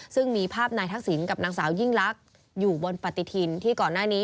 ซึ่งมีภาพนายทักษิณกับนางสาวยิ่งลักษณ์อยู่บนปฏิทินที่ก่อนหน้านี้